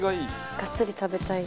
がっつり食べたい。